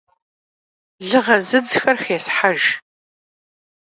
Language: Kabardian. Lığe zıdzxer xêshejj.